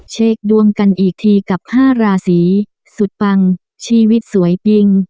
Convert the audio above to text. เช็คดวงกันอีกทีกับ๕ราศีสุดปังชีวิตสวยปิง